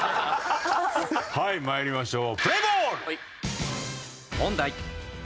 はい参りましょう。